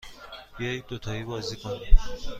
بیایید دوتایی بازی کنیم.